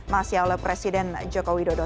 mas ya oleh presiden joko widodo